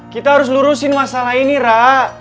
kita harus lurusin masalah ini rak